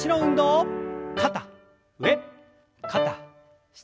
肩上肩下。